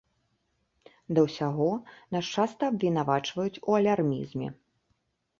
Да ўсяго нас часта абвінавачваюць у алярмізме.